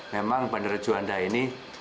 memang bandara juanda ini